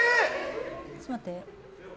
ちょっと待って。